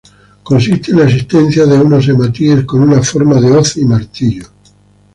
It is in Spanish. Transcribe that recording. Consiste en la existencia de unos hematíes con una forma de hoz y martillo.